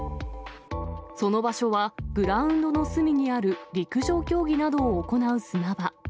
その場所は、グラウンドの隅にある陸上競技などを行う砂場。